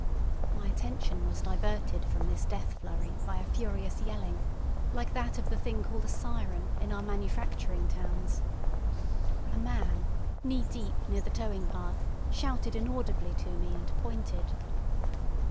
My attention was diverted from this death flurry by a furious yelling, like that of the thing called a siren in our manufacturing towns. A man, knee deep near the towing path, shouted inaudibly to me and pointed.